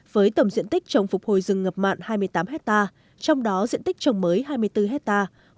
với tổng diện tích trồng phục hồi rừng ngập mặn hai mươi tám hectare trong đó diện tích trồng mới hai mươi bốn hectare